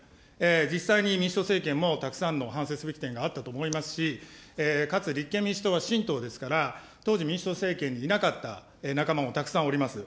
実際に民主党政権も、たくさんの反省すべき点があったと思いますし、かつ立憲民主党は新党ですから、当時民主党政権にいなかった仲間もたくさんおります。